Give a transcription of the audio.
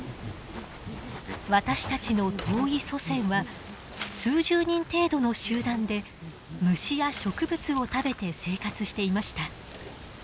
私たちの遠い祖先は数十人程度の集団で虫や植物を食べて生活していました。